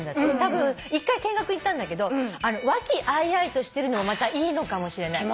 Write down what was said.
一回見学行ったんだけど和気あいあいとしてるのもまたいいのかもしれない。